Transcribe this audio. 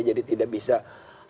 jadi tidak bisa harga